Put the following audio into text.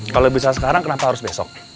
kalau bisa sekarang kenapa harus besok